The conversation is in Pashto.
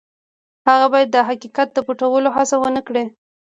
هغه باید د حقیقت د پټولو هڅه ونه کړي.